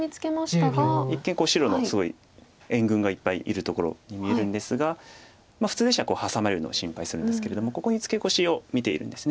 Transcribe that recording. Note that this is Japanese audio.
一見白のすごい援軍がいっぱいいるところに見えるんですが普通でしたらハサまれるのを心配するんですけれどもここにツケコシを見ているんです。